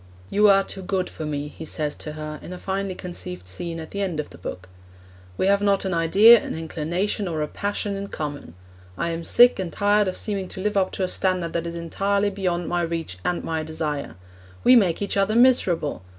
'You are too good for me,' he says to her in a finely conceived scene at the end of the book; 'we have not an idea, an inclination, or a passion in common. I'm sick and tired of seeming to live up to a standard that is entirely beyond my reach and my desire. We make each other miserable!